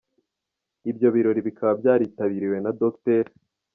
Ibyo birori bikaba byaritabiriwe na Dr.